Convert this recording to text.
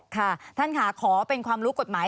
ค่ะท่านค่ะขอเป็นความรู้กฎหมาย